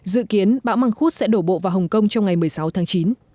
dự kiến bão măng khuốt sẽ đổ bộ vào hồng kông trong ngày một mươi sáu tháng chín